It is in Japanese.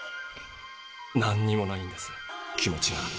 なんにもないんです気持ちが。